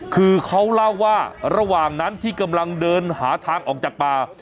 คือเขาเล่าว่าระหว่างนั้นที่กำลังเดินหาทางออกจากป่า